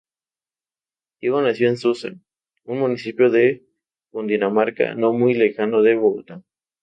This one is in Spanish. Diego nació en Susa, un municipio de Cundinamarca, no muy lejano de Bogotá.